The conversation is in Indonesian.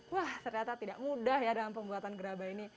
wah ternyata tidak mudah ya dalam pembuatan gerabah ini